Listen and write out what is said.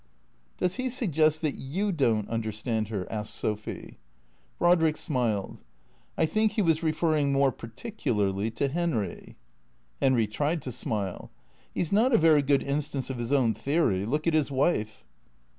" Does he suggest that you don't understand her ?" asked Sophy. Brodrick smiled. " I think he was referring more particu larly to Henry." Henry tried to smile. " He 's not a very good instance of his own theory. Look at his wife."